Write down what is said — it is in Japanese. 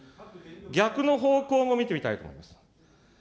逆の方向も見てみたいと思います。